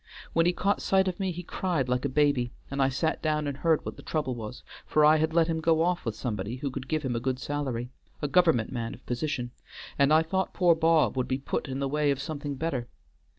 When he caught sight of me he cried like a baby, and I sat down and heard what the trouble was, for I had let him go off with somebody who could give him a good salary, a government man of position, and I thought poor Bob would be put in the way of something better.